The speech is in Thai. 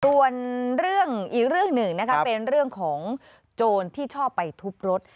อีกเรื่องหนึ่งเป็นเรื่องของโจรที่ชอบไปทุบรถ